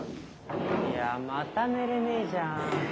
いやまた寝れねえじゃん。